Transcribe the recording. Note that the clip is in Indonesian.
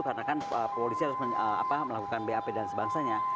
karena kan polisi harus melakukan bap dan sebangsanya